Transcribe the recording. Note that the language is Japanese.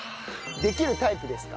できるタイプですか？